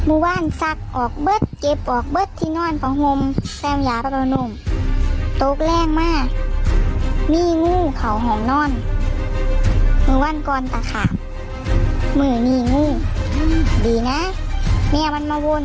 อืออย่างดีที่เจอทันอะ